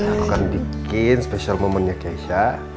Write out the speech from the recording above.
aku akan bikin special momentnya keisha